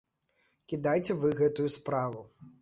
Кідайце вы гэтую справу.